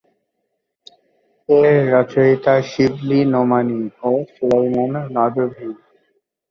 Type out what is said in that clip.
এর রচয়িতা শিবলী নোমানী ও সুলাইমান নদভী।